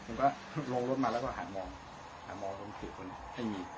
ผมก็ลงรถมาแล้วก็หันมองหันมองตรงสี่คนให้มี